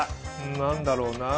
何だろうなぁ。